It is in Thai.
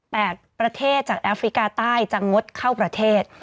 ประเทศจากแอฟริกาใต้จะงดเข้าประเทศ